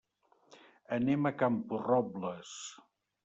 Anem a Camporrobles.